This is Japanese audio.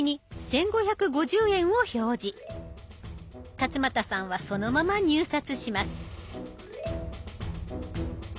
勝俣さんはそのまま入札します。